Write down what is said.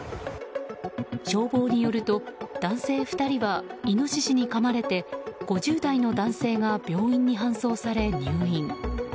消防によると男性２人はイノシシにかまれて５０代の男性が病院に搬送され入院。